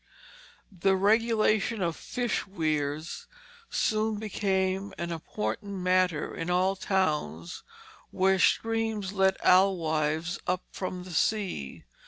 The regulation of fish weirs soon became an important matter in all towns where streams let alewives up from the sea.